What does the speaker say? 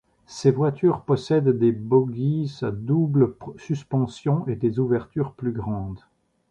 Ces voitures possèdent des bogies à double suspension et des ouvertures plus grandes.